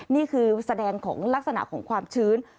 นี่คือแสดงของลักษณะของความชื้น